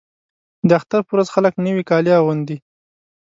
د اختر په ورځ خلک نوي کالي اغوندي.